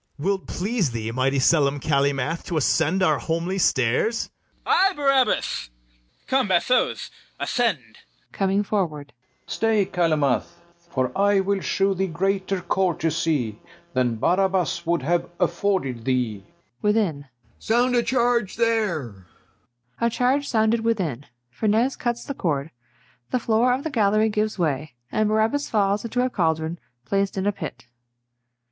Will't please thee, mighty Selim Calymath, To ascend our homely stairs? CALYMATH. Ay, Barabas. Come, bassoes, ascend. FERNEZE. [coming forward] Stay, Calymath; For I will shew thee greater courtesy Than Barabas would have afforded thee. KNIGHT. [within] Sound a charge there! [A charge sounded within: FERNEZE cuts the cord; the floor of the gallery gives way, and BARABAS falls into a caldron placed in a pit.